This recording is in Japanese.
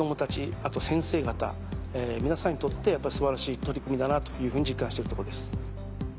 あと先生方皆さんにとって素晴らしい取り組みだなというふうに実感しているところです。